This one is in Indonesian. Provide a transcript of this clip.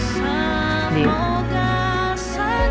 sampai jumpa lagi